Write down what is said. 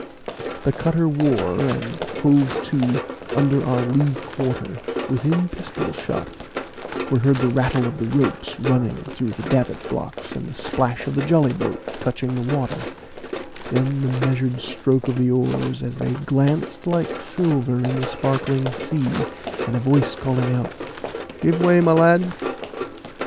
The cutter wore, and hove to under our lee quarter, within pistol shot; we heard the rattle of the ropes running through the davit blocks, and the splash of the jolly boat touching the water, then the measured stroke of the oars, as they glanced like silver in the sparkling sea, and a voice calling out, "Give way, my lads."